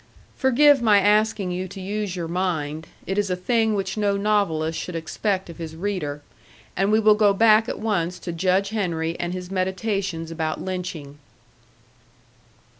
Forgive my asking you to use your mind. It is a thing which no novelist should expect of his reader, and we will go back at once to Judge Henry and his meditations about lynching.